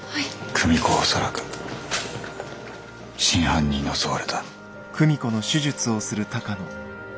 久美子は恐らく真犯人に襲われた。